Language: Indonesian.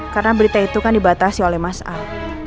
karena berita itu kan dibatasi oleh mas ah